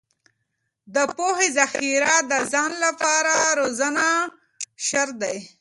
د پوهې ذخیره کې د ځان لپاره روزنه شرط دی.